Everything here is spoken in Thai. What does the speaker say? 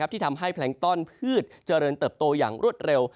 ที่ทำให้แพลงต้อนพืชเจริญเติบโตอย่างรวดเร็ว